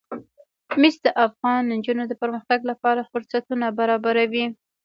مس د افغان نجونو د پرمختګ لپاره فرصتونه برابروي.